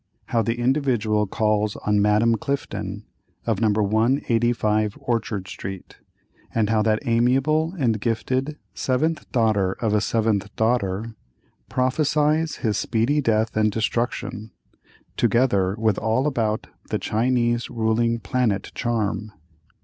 How the "Individual" calls on Madame Clifton, of No. 185 Orchard Street, and how that amiable and gifted "Seventh daughter of a seventh daughter," prophesies his speedy death and destruction, together with all about the "Chinese Ruling Planet Charm."